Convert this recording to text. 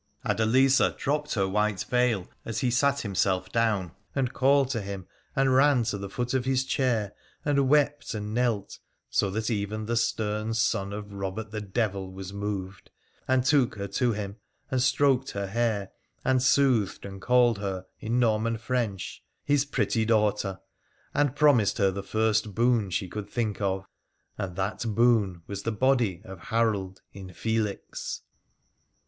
Adeliza dropped her white veil as he sat him self down, and called to him, and ran to the foot of his chair, and wept and knelt, so that even the stern son of Robert the Devil was moved, and took her to him, and stroked her hair, and soothed and called her, in Norman French, his pretty daughter, and promised her the first boon she could think of. And that boon was the body of Harold Infelix.